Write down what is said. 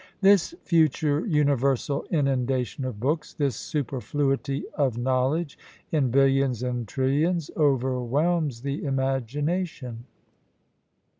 This future universal inundation of books, this superfluity of knowledge, in billions and trillions, overwhelms the imaginnation!